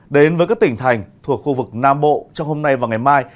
đến với các tỉnh thành thuộc khu vực nam bộ trong hôm nay và ngày mai